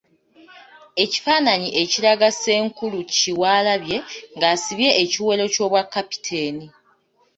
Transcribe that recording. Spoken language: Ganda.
Ekifaananyi ekiraga Ssenkulu Kiwalabye nga asibye ekiwero ky’obwa kapiteeni.